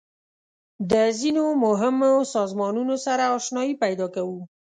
د ځینو مهمو سازمانونو سره آشنایي پیدا کوو.